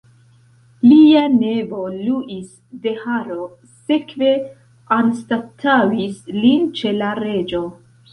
Lia nevo Luis de Haro sekve anstataŭis lin ĉe la reĝo.